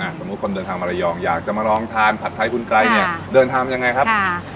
สมมุติคนเดินทางมาระยองอยากจะมาลองทานผัดไทยคุณไกรเนี่ยเดินทางยังไงครับ